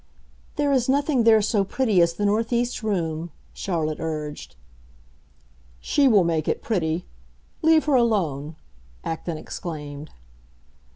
"There is nothing there so pretty as the northeast room," Charlotte urged. "She will make it pretty. Leave her alone!" Acton exclaimed.